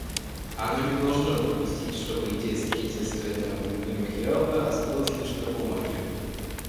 Оно не должно допустить, чтобы идея строительства этого мемориала осталась лишь на бумаге.